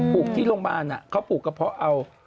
ลูกที่โรงพยาบาลเขาปลูกกระเพาะเอา